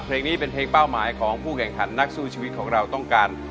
เพลงนี้เป็นเพลงเป้าหมายของผู้แข่งขันนักสู้ชีวิตของเราต้องการ